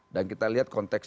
dan kita lihat konteksnya